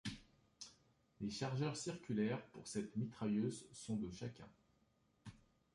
Les chargeurs circulaires pour cette mitrailleuse sont de chacun.